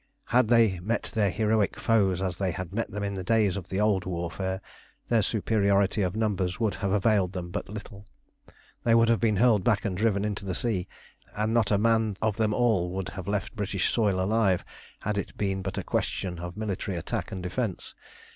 Had they met their heroic foes as they had met them in the days of the old warfare, their superiority of numbers would have availed them but little. They would have been hurled back and driven into the sea, and not a man of them all would have left British soil alive had it been but a question of military attack and defence.